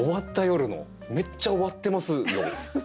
めっちゃ終わってますよ。